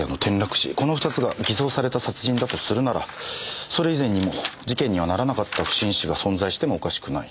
この２つが偽装された殺人だとするならそれ以前にも事件にはならなかった不審死が存在してもおかしくない。